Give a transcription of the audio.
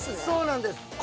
そうなんです。